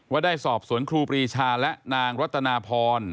ว่าได้สอบสวนครูปรีชาและนางรัตนาพร